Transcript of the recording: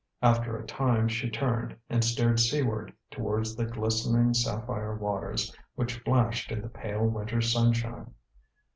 After a time she turned, and stared seaward towards the glistening sapphire waters, which flashed in the pale winter sunshine.